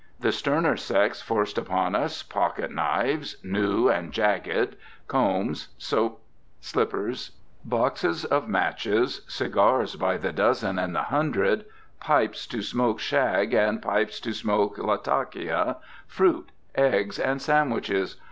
The sterner sex forced upon us pocket knives new and jagged, combs, soap, slippers, boxes of matches, cigars by the dozen and the hundred, pipes to smoke shag and pipes to smoke Latakia, fruit, eggs, and sandwiches.